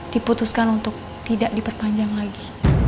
diputuskan untuk tidak diperpanjang lagi